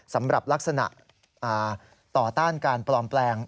สำหรับลักษณะต่อต้านการปลอมแปลง